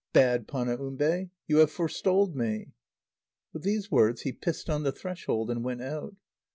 bad Panaumbe! you have forestalled me." With these words, he pissed on the threshold, and went out.